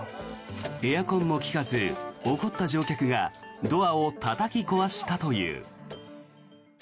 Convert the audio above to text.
エアコンも利かず、怒った乗客がドアをたたき壊したという。